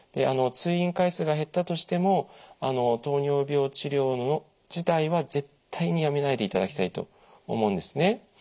通院回数が減ったとしても糖尿病治療自体は絶対にやめないでいただきたいと思うんですね。